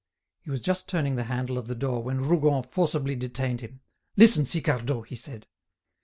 He was just turning the handle of the door, when Rougon forcibly detained him. "Listen, Sicardot," he said.